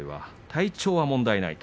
体調は問題ない。